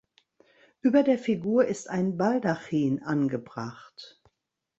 Über der Figur ist ein Baldachin angebracht.